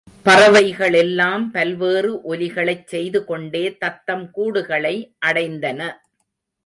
பறவைகளெல்லாம் பல்வேறு ஒலிகளைச் செய்து கொண்டே தத்தம் கூடுகளை அடைந்தன.